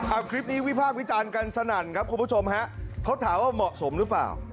เอาคลิปนี้วิพากษ์วิจารณ์กันสนั่นครับคุณผู้ชมฮะเขาถามว่าเหมาะสมหรือเปล่า